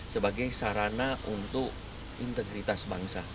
sebagai sarana untuk integritas bangsa